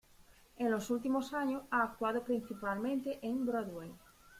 En los últimos años ha actuado principalmente en Broadway.